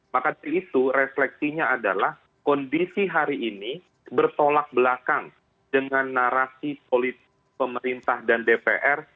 maka dari itu refleksinya adalah kondisi hari ini bertolak belakang dengan narasi politik pemerintah dan dpr